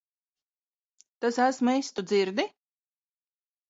Tas esmu es. Tu dzirdi?